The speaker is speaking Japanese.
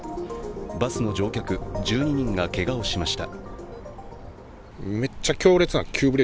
バスの乗客１２人がけがをしました。